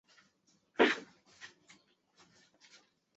酮糖经反应得到少两个碳的糖。